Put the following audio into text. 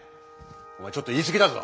おまえちょっと言い過ぎだぞ！